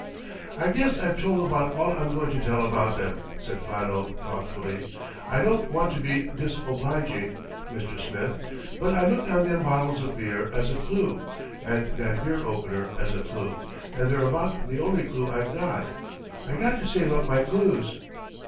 "I guess I've told about all I'm going to tell about them," said Philo thoughtfully. "I don't want to be disobliging, Mister Smith, but I look on them bottles of beer as a clue, and that beer opener as a clue, and they're about the only clue I've got. I got to save up my clues."